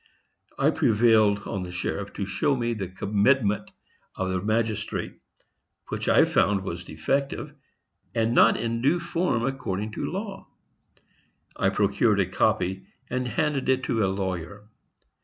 I prevailed on the sheriff to show me the commitment of the magistrate, which I found was defective, and not in due form according to law. I procured a copy and handed it to a lawyer.